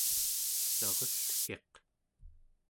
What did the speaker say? narullgiq